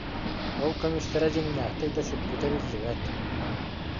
Ол көмүстэрэ дьиҥнээхтик да сүппүтэ биллибэт